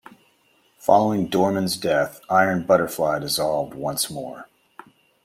Following Dorman's death, Iron Butterfly dissolved once more.